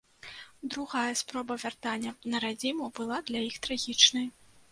Другая спроба вяртання на радзіму была для іх трагічнай.